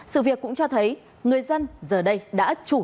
sự việc cũng cho thấy người dân giờ đây đã trở thành một tổ chức khủng bố